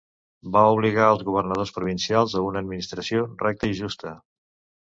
Va obligar els governadors provincials a una administració recta i justa.